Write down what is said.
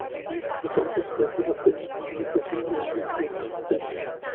প্রথম পত্রের গোড়ার দিকে স্বামীজী লিখিয়াছেন, তিনি জোড় আঘাত দিয়াছেন।